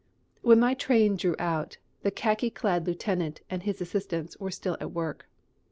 When my train drew out, the khaki clad lieutenant and his assistants were still at work.